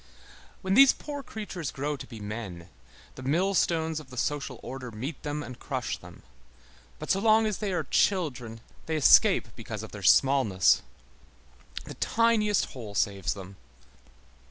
When these poor creatures grow to be men, the millstones of the social order meet them and crush them, but so long as they are children, they escape because of their smallness. The tiniest hole saves them.